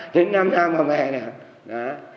đến năm nào mà mẹ nào